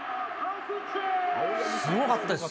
すごかったです。